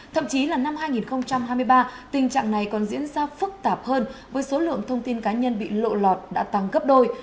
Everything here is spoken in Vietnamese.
thậm chí là năm hai nghìn hai mươi ba tình trạng này còn diễn ra phức tạp hơn với số lượng thông tin cá nhân bị lộ lọt đã tăng gấp đôi